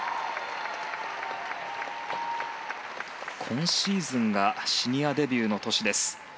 今シーズンがシニアデビューの年です。